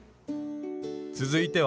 続いては。